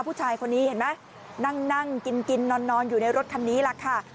ผู้ชายคนนี้เห็นไหมนั่งกินกินนอนอยู่ในรถคันนี้แหละค่ะ